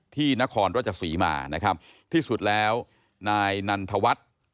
นครราชศรีมานะครับที่สุดแล้วนายนันทวัฒน์